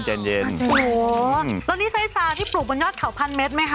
แล้วนี่ใช้ชาที่ปลูกบนยอดเข่า๑๐๐๐เมตรไหมคะ